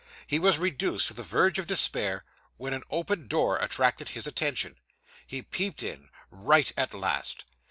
He was reduced to the verge of despair, when an open door attracted his attention. He peeped in. Right at last!